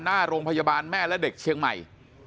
หน้าโรงพยาบาลแม่และเด็กเชียงใหม่